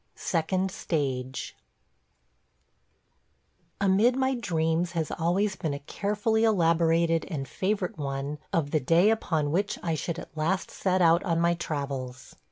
SECOND STAGE AMID my dreams has always been a carefully elaborated and favorite one of the day upon which I should at last set out on my travels.